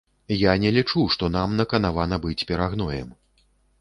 Я не лічу, што нам наканавана быць перагноем.